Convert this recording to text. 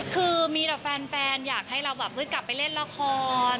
คือมีแต่แฟนอยากให้เราแบบกลับไปเล่นละคร